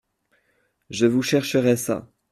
Je vous chercherai ça !…